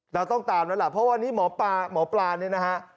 เราต้องตามนั้นล่ะเพราะว่าวันนี้หมอปลานี่นะฮะ